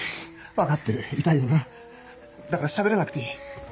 分かってる痛いよなだからしゃべらなくていい。